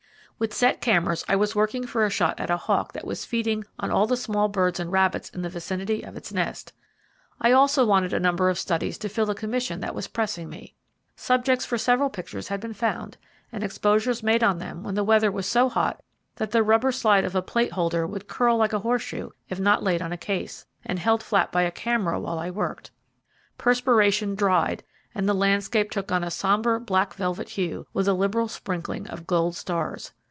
With set cameras I was working for a shot at a hawk that was feeding on all the young birds and rabbits in the vicinity of its nest. I also wanted a number of studies to fill a commission that was pressing me. Subjects for several pictures had been found, and exposures made on them when the weather was so hot that the rubber slide of a plate holder would curl like a horseshoe if not laid on a case, and held flat by a camera while I worked. Perspiration dried, and the landscape took on a sombre black velvet hue, with a liberal sprinkling of gold stars.